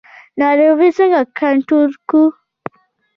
ناروغي څنګه کنټرول کړو؟